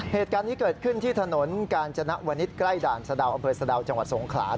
เหตุการณ์นี้เกิดขึ้นที่ถนนกาญจนวนิษฐ์ใกล้ด่านสะดาวอำเภอสะดาวจังหวัดสงขลา